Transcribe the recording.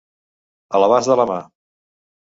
A l'abast de la mà.